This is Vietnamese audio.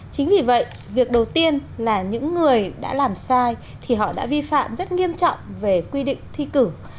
chính vì vậy việc đầu tiên là những người đã làm sai thì họ đã vi phạm rất nghiêm trọng về quy định thi cử